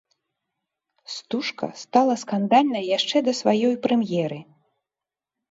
Стужка стала скандальнай яшчэ да сваёй прэм'еры.